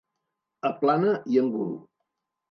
Aplana i engul.